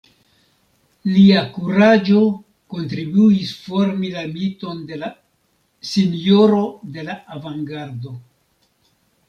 Lia kuraĝo kontribuis formi la miton de la «Sinjoro de la Avangardo».